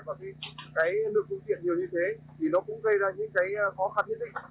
và cái nước công tiện nhiều như thế thì nó cũng gây ra những cái khó khăn nhất định